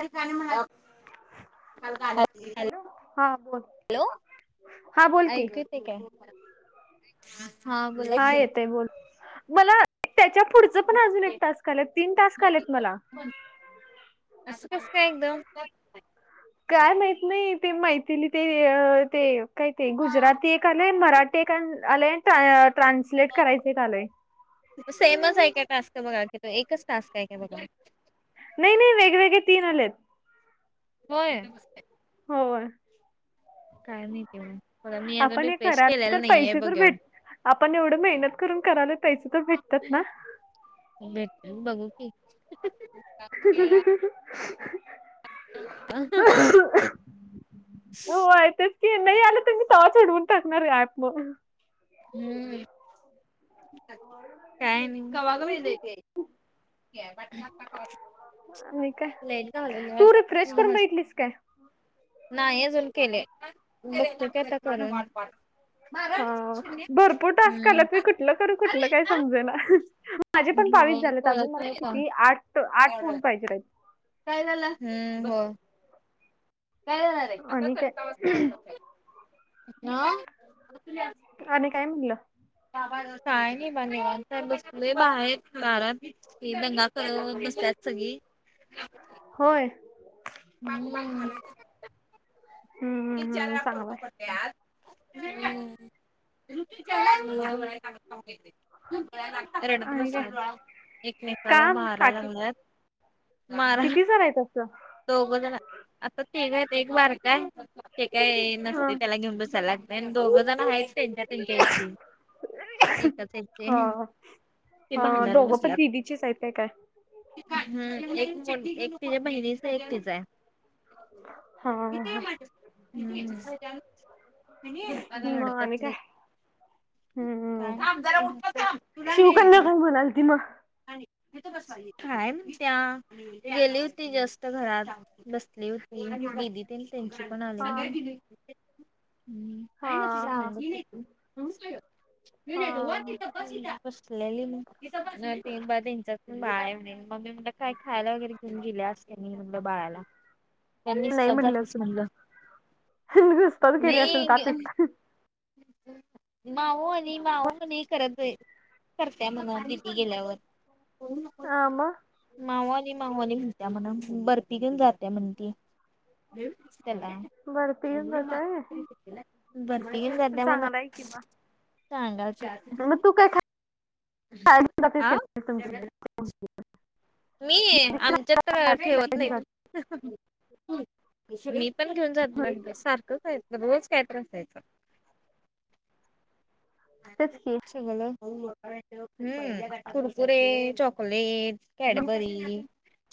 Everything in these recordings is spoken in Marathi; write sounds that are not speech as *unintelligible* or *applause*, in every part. िकाणी म्हणा हॅलो हॅलो हा बोल हा बोल की येतंय काय हा बोोल हा येतय बोल मला त्याच्या पुढचं पण अजून एक टास्क आलेत तीन टास्क आलेत मला असं कसं काय, एकदम काय, माहित नाही ते मैथली ते ते काय ते गुजराती एक लय मराठी आय ट्रान्सलेट करायचे कालय सेमच आहे काय टास्क बघाी त एकच टास्क आहे काय बघा नाही नाही वेगवेगळे तीन आलेत होय होय काय नाही ते मला मी अज आपण हे रिफ्रेश करायला केलेला तर नाहीये पैसे तर बघा भेट आपण एवढं मेहनत करून करायला पैसे तर भेटतात ना भेटतील बघू की *inaudible* हो आहे तेच की नाही आलं तर मी तवा वूडवून टाकणार ऍप मग हम्म काय नाही कवागय आणि काय लाइट तू रिफ्रेश करून घालवल्यात बघितलीस काय नाही अजून केले आता करू हा भरपूर टास्क आलात मी कुठलं करू कुठलं काय होय समजे ना माझे पण बावीस झालेत अजून मला किती आठ आठ ह पाहिज काय झालं ह् हो कायणार आणि काय आणि काय म्हणलं काय नाही बा निवांत आहे बसले बाहेर दारात ही एक दंगा करत बसल्यात सगळी होय हम्म. हम्म तीन चार हम्म वेळा चांगलं पडतो आहे पण *inaudible* रडत आणि काय बसल्यात एकमेकाला काम माराय काकी लागल्यात किती जण आहे तसं दौघं ज असं तिघ का येत एक बारक काय ते काय हा नसते त्याला घेऊन बसायला लागत आणि दोघं जण आहेतच त्यांच्या त्यांच्याची एककाचचे हा ते हा भांडण दोघं पण बसल्यात दिदीचीच आहेत काय काय ह एक एक तिच्या बहिणीच एक तिच आहे हा ह मग आणि रडत्यात काय लय हम्म शिवकन्या काय म्हणाल ती मग *inaudible* आणि काय म्हणत्या गेली होती जस्त घरात बसली होतीदी त्यांची पण हा आ् हा हा हा सलेली मग तथ ते त्यांच्यात बाळा आहे म्हणेल मग मी म्हण काय खायला वगैरे घेऊन गेले असते म म्हणलं बाळाला नाही त्यांसग म्हटलं तस असत म्हणलं नुसताच गेले असेल नाही तातेच माव आणि माऊ म्ह करत करत म्हणून दिीपी गेल्यावर आम मावाली मावली होत्या म्हणा बर्फी घेऊन जाते म्हण त ला बर्फी घेऊन जाताय. बतीन करद मण चांगला आहे कि मग. सांगा च मग तू काय ख आ मी आमच्यात तर ठेवत तुमची नाही मी पण घेऊन जात ब सारखंचयचं रोज काय त्रास यायच तेच की सग ह् कुरकुरे चॉकलेट कॅडबरी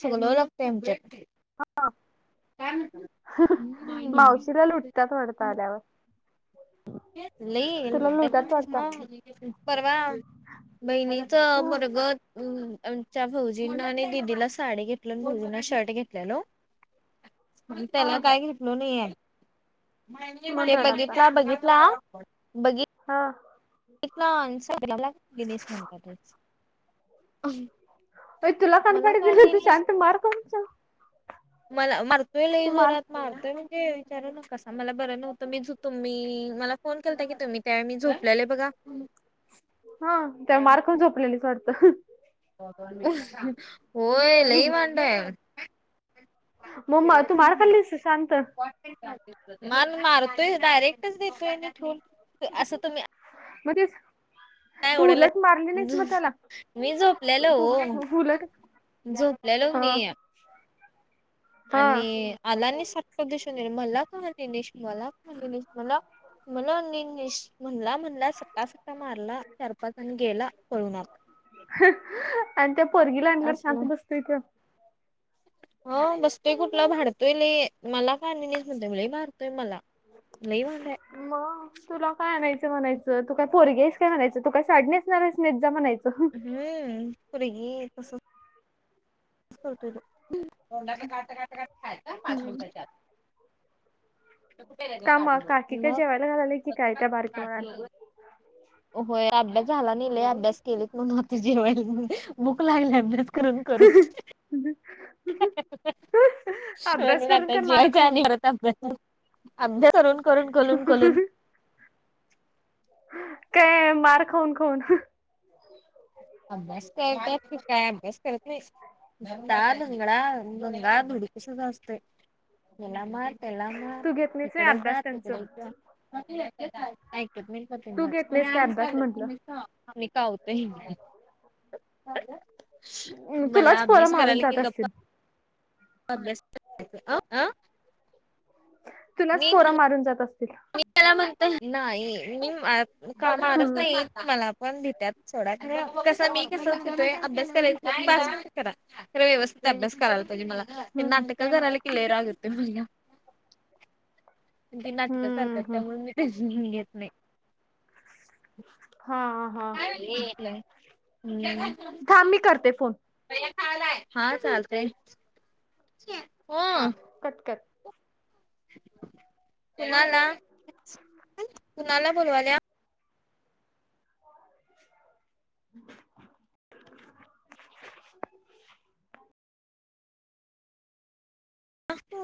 सगल लागते आमच्याक हा हम्म. मावशीला लुटत वडत आल्यावर लई तुला म लुटतात वाटतं. पररवा बई नाही हा बरग हम आमच्या भाौऊजीना आणि दिदीला साडी घेतल भाौजींना शर्ट घेतलेलं त्याला हा काय घेतल नाहीय म्हणून ते रडालता बघितला बघ बघित हा गश म्हण अ तुला कनपडी दिलं तू शांत मारकमचा मला मारतोय ल जोरात मारतोय म्हणजे विचार न कसा मला बरं नव्हतं मी झ तुम्ही मला फोन केलता की तुम्ही त्या मी झोपलेले बघा हा त्या मार्कून झोपलेली सडतं उप अ होय लई वांदाय मम तू मार खाल्लीस शांत मान मारतोय डायरेक्टच देतोये ठेऊन असं तुम्ही या मध्येच काय उडल य मी झोपलेलं तू हो उलट झोपलेलो मी हा य हा आणि आला नाही सटप दिसून मला कानेश मला कानेश मला मला अ म्हणला म्हणला सटा सटा मारला चार पाच ज आण गेला पळू आत आणि त्या पगीला आणल्या असलं. शांत बसतय त्या हा बसतोय कुठला भारतोय ल मला कानीस म भरतोय मला लवाडे मग तुला काय आणायचं म्हणायचं तू काय फोरगेस काय म्हणायचं तू काय साडणीसणारस न जाा म्हणायचं हम्म पुरी गी तसं का काढ का पाच हम्म मिनटच्या आ कामा काकी का मग जेवायला घालंय की काय त्या बारकमणाला *unintelligible* होय अभ्यास झाला नाहीले अभ्यास केलेत म्हण होता जेवायला बूक लागले करम करुून हज स करून नाता काय मार जे खाऊन जाणी होता अभ्यास करून करून कलून कलून काय मार खाऊन खाऊन अभ्यास करतात काय अभ्यास करत नाही डाधिंगना धिंगाणा तसंच असतय त्याला मार त्याला मार तू घेत नाहीस व्हय इकडे जा अभ्यास त्यांच तिकडेच जा म ते ऐकत काय ऐकत नाही तू घेत नाहीस आ काय अभ्यास चाल तुम्ही म्हंटलं खावा आम्ही काहत अम मला तुलाच पोरा अभ्यास मारून करायला की जात गप्प असतील? अभ्यास करतात ती अ -अ तुलाच पोर मारून जात असतील? मी त्याला म्हणतोय नाही, मी- का मारत हम्म नाहीे, मला पण भित्यात सोडा खरं मी कस म्हणतोय अभ्यास करायचं काय पाहिजे, ते करा खरं व्यवस्थित अभ्यास करायला पाहिजे मला ते हम्म नाटक कराल की लय राग येतोयं *unintelligible* ते नाटकं हम्म करतात, हम्म त्यामुळे मी टेन्शन घेत नाही. हा हा हां थांब, मी करते फोन. पैया खायालाय हा चालतंय. *unintelligible* हा कट कर. कुणाला-कुणाला बोलवाल्या? *unintelligible* *unintelligible*